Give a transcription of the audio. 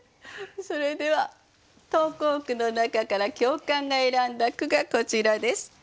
それでは投稿句の中から教官が選んだ句がこちらです。